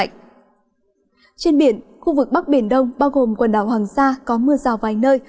trên biển khu vực bắc biển đông bao gồm quần đảo hoàng sa có mưa rào vài nơi